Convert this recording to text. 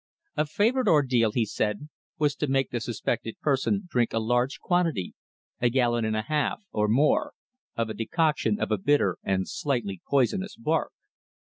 A favourite ordeal, he said, was to make the suspected person drink a large quantity a gallon and a half, or more of a decoction of a bitter and slightly poisonous bark.